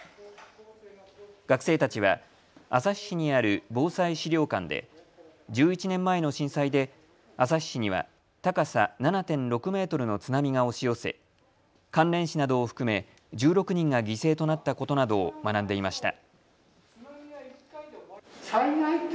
学生たちは旭市にある防災資料館で、１１年前の震災で旭市には高さ７．６メートルの津波が押し寄せ、関連死などを含め１６人が犠牲となったことなどを学んでいました。